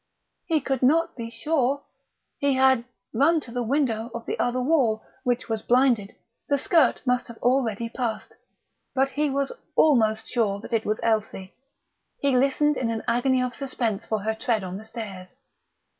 He could not be sure had he run to the window of the other wall, which was blinded, the skirt must have been already past but he was almost sure that it was Elsie. He listened in an agony of suspense for her tread on the stairs....